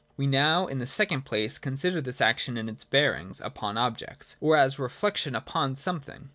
We now, in the second place, consider this action in its bearings upon objects, or as reflection upon something.